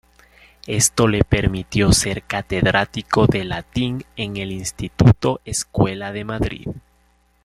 Esto le permitió ser catedrático de Latín en el Instituto-Escuela de Madrid.